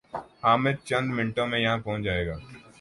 حامد چند منٹوں میں یہاں پہنچ جائے گا